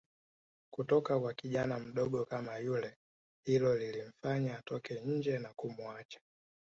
kutoka kwa kijana mdogo kama yule hilo lilimfanya atoke nje na kumuacha